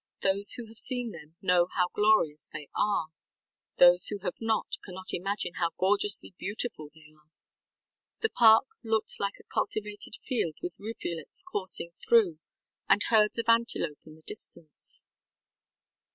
Those who have seen them know how glorious they are. Those who have not cannot imagine how gorgeously beautiful they are. The park looked like a cultivated field with rivulets coursing through, and herds of antelope in the distance.